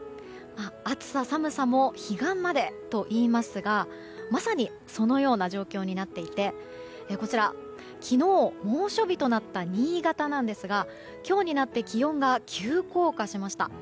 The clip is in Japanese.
暑さ寒さも彼岸までといいますがまさにそのような状況になっていて昨日、猛暑日となった新潟なんですが今日になって気温が急降下しました。